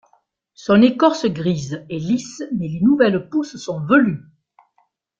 Son écorce grise est lisse mais les nouvelles pousses sont velues.